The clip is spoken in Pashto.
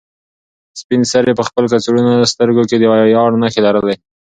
سپین سرې په خپل کڅوړنو سترګو کې د ویاړ نښې لرلې.